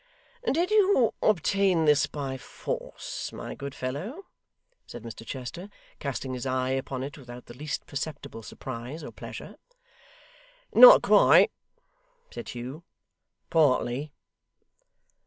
'Did you obtain this by force, my good fellow?' said Mr Chester, casting his eye upon it without the least perceptible surprise or pleasure. 'Not quite,' said Hugh. 'Partly.